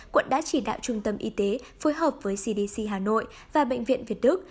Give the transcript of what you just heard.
quận đã chỉ đạo trung tâm y tế phối hợp với cdc hà nội và bệnh viện việt đức